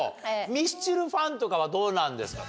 ミスチルファンとかはどうなんですか？